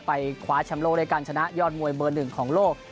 คว้าแชมป์โลกด้วยการชนะยอดมวยเบอร์หนึ่งของโลก